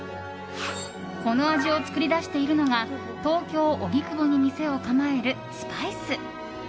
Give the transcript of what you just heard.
この味を作り出しているのが東京・荻窪に店を構えるすぱいす。